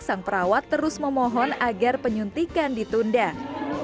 sang perawat terus memohon agar penyuntikan ditunda